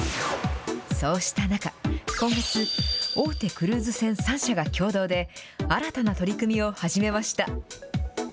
そうした中、今月、大手クルーズ船３社が共同で、新たな取り組みを始めました。